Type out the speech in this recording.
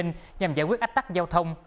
nhằm giải quyết ách tắc giao thông